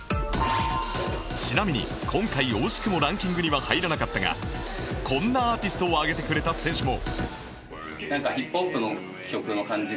ちなみに今回惜しくもランキングには入らなかったがこんなアーティストを挙げてくれた選手も